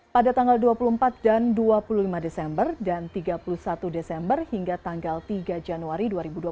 pada tanggal dua puluh empat dan dua puluh lima desember dan tiga puluh satu desember hingga tanggal tiga januari dua ribu dua puluh